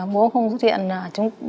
bố không xuất hiện